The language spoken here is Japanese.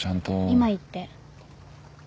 今言って。